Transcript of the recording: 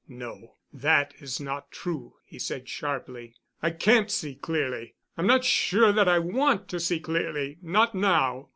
"No, that is not true," he said sharply. "I can't see clearly—I'm not sure that I want to see clearly—not now."